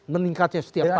meningkatnya setiap tahun